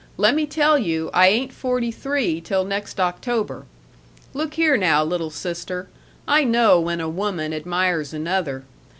Lemme tell you I ain't forty three till next October. Look here now, little sister, I know when a woman admires another.